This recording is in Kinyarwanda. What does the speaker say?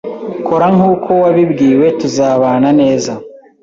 Kora nkuko wabibwiwe tuzabana neza.